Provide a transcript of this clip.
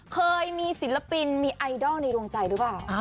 เคยมีศิลปินมีไอดอลในดวงใจหรือเปล่า